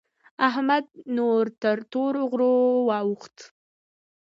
احمد نور تر تورو غرو واوښت.